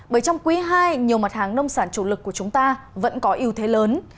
bởi trong quý ii nhiều mặt hàng nông sản chủ lực của chúng ta vẫn có ưu thế lớn